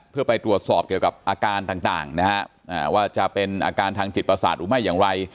เพื่อไปตรวจสอบเกี่ยวกับอาการต่างนะฮะว่าจะเป็นอาการทางจิตประสาทหรือไม่อย่างไร